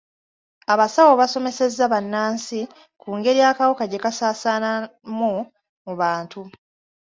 Abasawo basomesezza bannansi ku ngeri akawuka gye kasaasaanamu mu bantu.